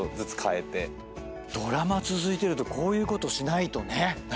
ドラマ続いてるとこういうことしないとね。